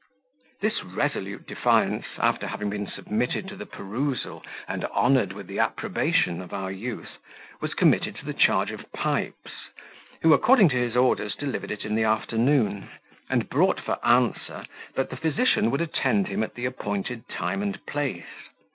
This resolute defiance, after having been submitted to the perusal, and honoured with the approbation of our youth, was committed to the charge of Pipes, who, according to his orders, delivered it in the afternoon; and brought for answer, that the physician would attend him at the appointed time and place.